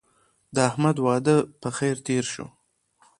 د احمد واده په خیر تېر شو.